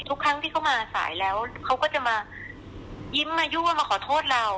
ทุกครั้งที่เขามาสายแล้วเขาก็จะมายิ้มมายั่วมาขอโทษเรา